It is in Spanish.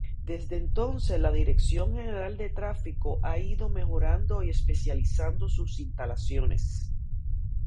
Desde entonces la Dirección General de Tráfico ha ido mejorando y especializando sus instalaciones.